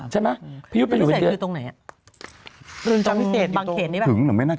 ตอนนั้นพี่ยุทธิ์ไปอยู่เป็นเดือนนะ